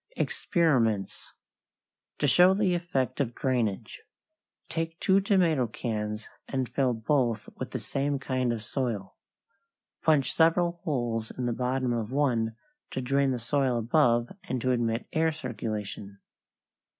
=EXPERIMENTS= =To show the Effect of Drainage.= Take two tomato cans and fill both with the same kind of soil. Punch several holes in the bottom of one to drain the soil above and to admit air circulation.